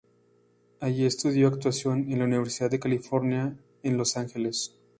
Allí estudió actuación en la Universidad de California en Los Angeles.